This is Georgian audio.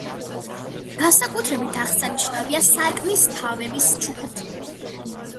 განსაკუთრებით აღსანიშნავია სარკმლის თავების ჩუქურთმები.